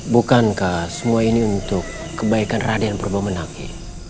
bukankah semua ini untuk kebaikan raden purbamenak ki